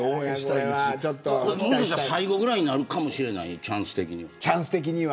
最後ぐらいになるかもしれないチャンス的に。